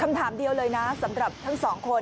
คำถามเดียวเลยนะสำหรับทั้งสองคน